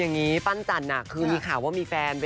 ทิ้งเลยอ่ะเชิดใสอ่ะ